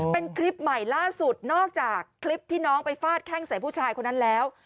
เป็นคลิปใหม่ล่าสุดนอกจากคลิปที่น้องไปฟาดแข้งใส่ผู้ชายคนนั้นแล้ว